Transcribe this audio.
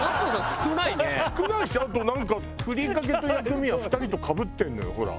少ないしあとなんかふりかけと薬味は２人とかぶってるのよほら。